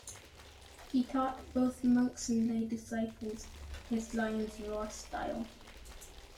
He taught both monks and lay disciples his Lion's Roar style.